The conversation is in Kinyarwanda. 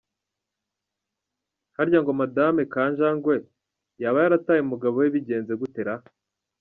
Harya ngo Madame Kajangwe yaba yarataye umugabo we bigenze gute raa?